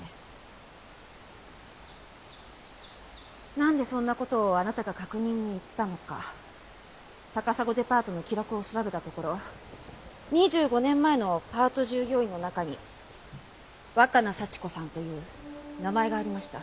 なんでそんな事をあなたが確認に行ったのか高砂デパートの記録を調べたところ２５年前のパート従業員の中に若名幸子さんという名前がありました。